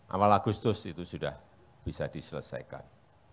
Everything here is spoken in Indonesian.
awal agustus itu sudah bisa diselesaikan